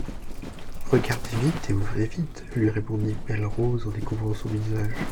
Regardez vite et ouvrez vite, lui répondit Belle-Rose en découvrant son visage.